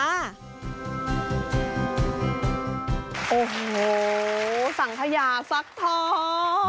โอ้โหสังขยาซักท้อ